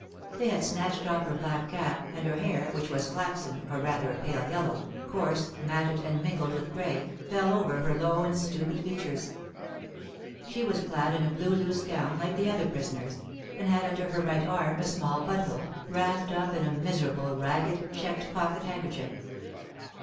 They had snatched off her black cap, and her hair, which was flaxen, or rather a pale yellow, coarse, matted, and mingled with gray, fell over her low and stupid features. She was clad in a blue loose gown, like the other prisoners, and had under her right arm a small bundle, wrapped up in a miserable, ragged, checked pocket handkerchief.